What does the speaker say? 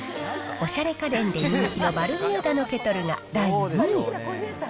おしゃれ家電で人気のバルミューダのケトルが第２位。